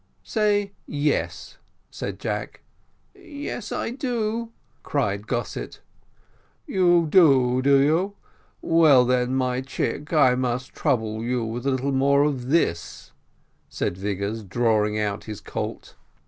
"Say yes," said Jack. "Yes, I do," cried Gossett. "You do, do you? well then, my chick, I must trouble you with a little more of this," said Vigors, drawing out his colt.